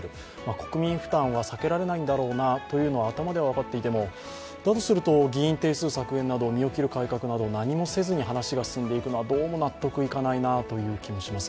国民負担は避けられないんだろうなというのは頭では分かっていてもだとすると、議員定数削減など身を切る改革などを何もせずに話が進んでいくのは、どうも納得いかないなという気もします。